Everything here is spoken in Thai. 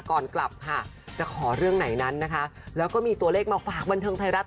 ก่อนกลับค่ะจะขอเรื่องไหนนั้นนะคะแล้วก็มีตัวเลขมาฝากบันเทิงไทยรัฐ